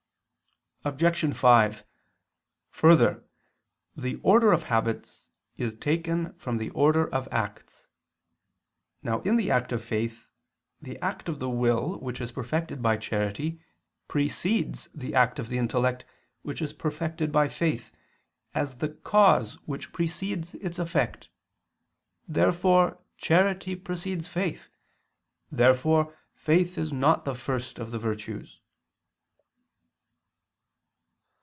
Obj. 5: Further, the order of habits is taken from the order of acts. Now, in the act of faith, the act of the will which is perfected by charity, precedes the act of the intellect, which is perfected by faith, as the cause which precedes its effect. Therefore charity precedes faith. Therefore faith is not the first of the virtues.